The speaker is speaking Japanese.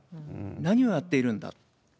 何をやっているんだ。